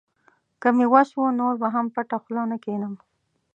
که مې وس و، نور به هم پټه خوله نه کښېنم.